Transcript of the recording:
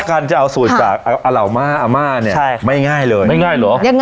การจะเอาสุดอ่าง่ายหรอก